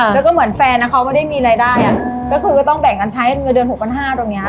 แล้วก็เหมือนแฟนอ่ะเขาไม่ได้มีรายได้อ่ะก็คือก็ต้องแบ่งกันใช้เงินเดือนหกพันห้าตรงเนี้ย